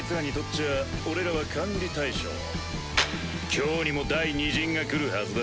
今日にも第２陣が来るはずだ。